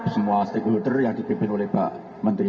semua stakeholder yang dipimpin oleh pak menteri